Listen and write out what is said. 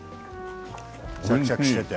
シャキシャキしていて。